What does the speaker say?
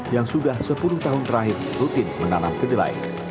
yang sudah sepuluh tahun terakhir rutin menanam kedelai